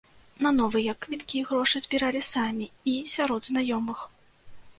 На новыя квіткі грошы збіралі самі і сярод знаёмых.